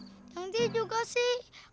yangti juga sih